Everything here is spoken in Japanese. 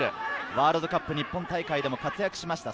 ワールドカップ日本大会でも活躍しました。